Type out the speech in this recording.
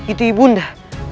itu ibu anda